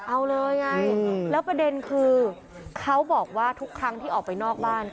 เอาเลยไงแล้วประเด็นคือเขาบอกว่าทุกครั้งที่ออกไปนอกบ้าน